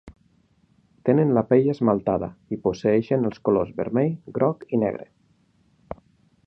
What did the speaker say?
Tenen la pell esmaltada i posseeixen els colors vermell, groc i negre.